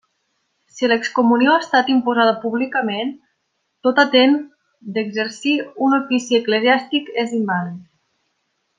Si l'excomunió ha estat imposada públicament, tot atent d'exercir un ofici eclesiàstic és invàlid.